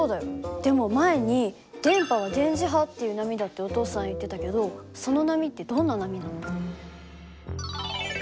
でも前に電波は電磁波っていう波だってお父さん言ってたけどその波ってどんな波なの？